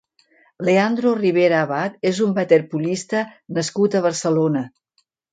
Leandro Ribera Abad és un waterpolista nascut a Barcelona.